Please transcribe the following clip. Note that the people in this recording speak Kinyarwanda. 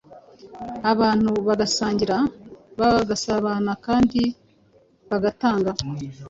abantu bagasangira bagasabana kandi bagatanga.